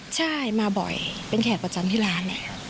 ใช่มาบ่อยเป็นแขกประจำที่ร้าน